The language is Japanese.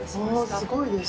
すごいです。